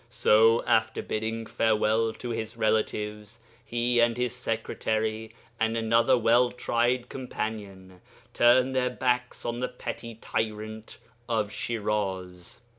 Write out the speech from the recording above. So, after bidding farewell to his relatives, he and his secretary and another well tried companion turned their backs on the petty tyrant of Shiraz.